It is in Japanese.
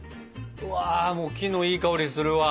うわもう木のいい香りするわ！